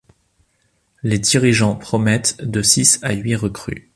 Les dirigeants promettent de six à huit recrues.